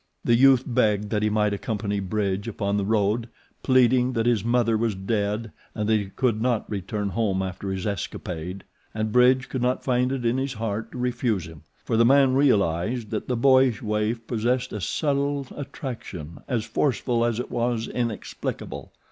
The youth begged that he might accompany Bridge upon the road, pleading that his mother was dead and that he could not return home after his escapade. And Bridge could not find it in his heart to refuse him, for the man realized that the boyish waif possessed a subtile attraction, as forceful as it was inexplicable.